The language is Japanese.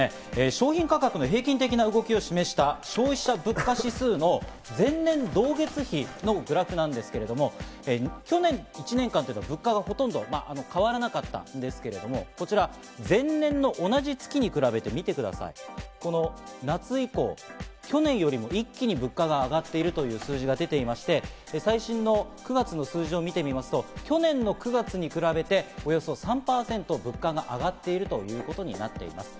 商品価格の平均的な動きを示した、消費者物価指数のグラフなんですけれども、去年１年間、物価がほとんど変わらなかったんですけど、こちら前年の同じ月に比べて、見てください、夏以降、去年よりも一気に物価が上がっているという数字が出ていまして、最新の９月の数字を見てみますと、去年の９月に比べて、およそ３％物価が上がっているということになっています。